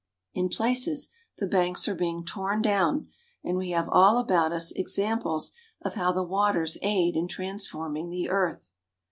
In places the banks are being torn down, 214 URUGUAY. and we have all about us examples of how the waters aid in transforming the earth.